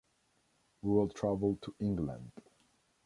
We will travel to England.